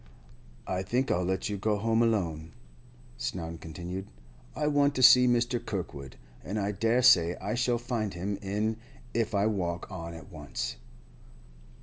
'I think I'll let you go home alone,' Snowdon continued. 'I want to see Mr. Kirkwood, and I dare say I shall find him in, if I walk on at once.